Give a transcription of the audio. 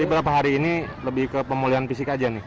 ini berapa hari ini lebih ke pemulihan fisik aja nih